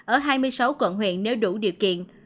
ở hai mươi sáu quận huyện nếu đủ điều kiện